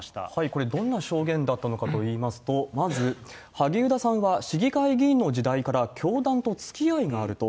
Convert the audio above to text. これ、どんな証言だったのかといいますと、まず、萩生田さんは市議会議員の時代から教団とつきあいがあると。